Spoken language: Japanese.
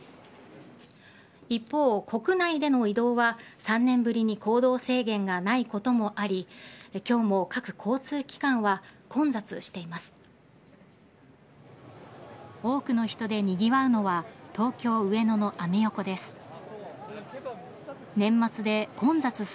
一方、国内での移動は３年ぶりに行動制限がないこともあり今日も各交通機関は混雑しています。